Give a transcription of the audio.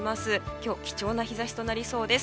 今日、貴重な日差しとなりそうです。